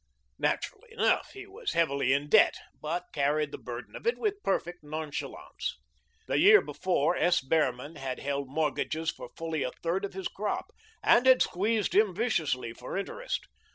Naturally enough, he was heavily in debt, but carried the burden of it with perfect nonchalance. The year before S. Behrman had held mortgages for fully a third of his crop and had squeezed him viciously for interest.